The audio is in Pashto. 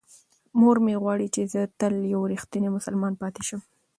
مور مې غواړي چې زه تل یو رښتینی مسلمان پاتې شم.